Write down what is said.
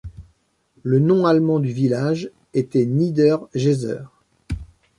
Le nom allemand du village était Nieder Jeser.